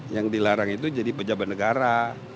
yang dilarang itu jadi pejabat negara